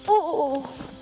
uh uh uh